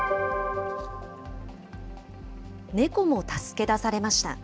猫も助け出されました。